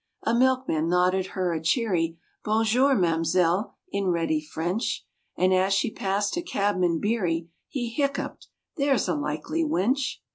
A milkman nodded her a cheery "Bon jour, ma'mselle," in ready French, And as she passed a cabman beery, He hiccoughed, "there's a likely wench."